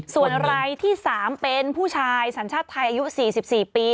ส่วนรายที่๓เป็นผู้ชายสัญชาติไทยอายุ๔๔ปี